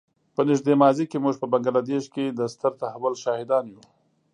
په نږدې ماضي کې موږ په بنګله دېش کې د ستر تحول شاهدان یو.